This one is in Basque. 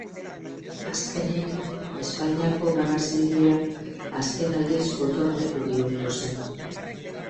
Azkenik, Espainiako Gerra Zibilean azken aldiz gotorleku bihurtu zen.